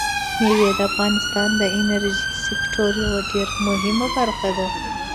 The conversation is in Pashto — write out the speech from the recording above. مېوې د افغانستان د انرژۍ سکتور یوه ډېره مهمه برخه ده.